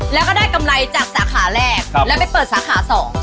แล้วก็ได้กำไรจากสาขาแรกแล้วไปเปิดสาขา๒